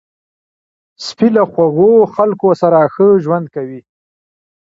سپي له خوږو خلکو سره ښه ژوند کوي.